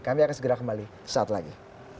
kami akan segera kembali saat lagi